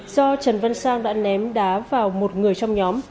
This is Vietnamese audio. do trần văn sang đã ném đá vào một người trong nhóm